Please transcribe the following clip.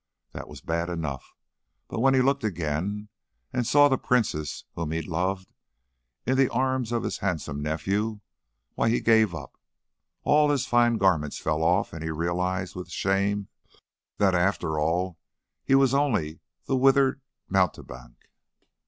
That was bad enough, but when he looked again and saw the princess whom he loved in the arms of his handsome nephew, why, he gave up. All his fine garments fell off and he realized with shame that, after all, he was only the withered mountebank.